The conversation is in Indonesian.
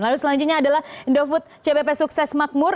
lalu selanjutnya adalah indofood cbp sukses makmur